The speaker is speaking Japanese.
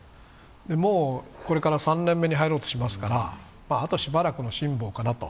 もう、これから３年目に入ろうとしますからあとしばらくの辛抱かなと。